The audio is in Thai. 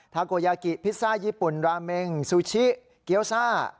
ทาโกยากิพิซซ่าญี่ปุ่นราเมงซูชิเกี้ยวซ่า